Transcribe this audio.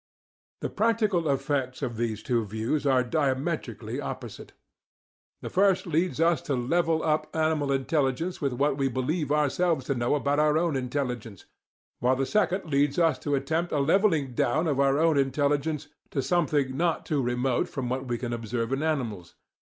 The practical effects of these two views are diametrically opposite: the first leads us to level up animal intelligence with what we believe ourselves to know about our own intelligence, while the second leads us to attempt a levelling down of our own intelligence to something not too remote from what we can observe in animals.